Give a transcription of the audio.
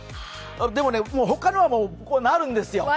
でも、他のはなるんですよ。